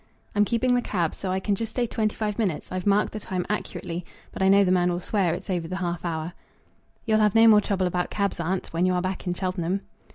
"I'm keeping the cab, so I can just stay twenty five minutes. I've marked the time accurately, but I know the man will swear it's over the half hour." "You'll have no more trouble about cabs, aunt, when you are back in Cheltenham."